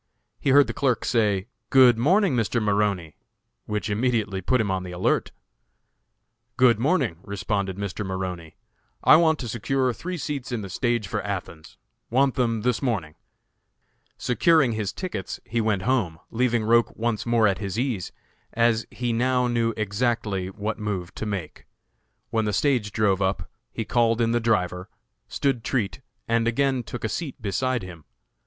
He heard the clerk say, "Good morning, Mr. Maroney," which immediately put him on the alert. "Good morning," responded Mr. Maroney. "I want to secure three seats in the stage for Athens; want them this morning." Securing his tickets, he went home, leaving Roch once more at his ease, as he now knew exactly what move to make. When the stage drove up, he called in the driver, stood treat, and again took a seat beside him.